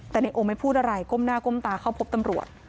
แต่ในโอไม่พูดอะไรก้มหน้าก้มตาเข้าพบตำรวจ